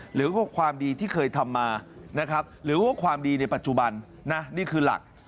หรือว่าความดีที่เคยทำมานะครับหรือว่าความดีในปัจจุบันนะนี่คือหลัก